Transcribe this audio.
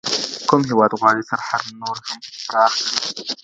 کوم هیواد غواړي سرحد نور هم پراخ کړي؟